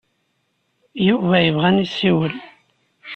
Yuba yebɣa ad nessiwel.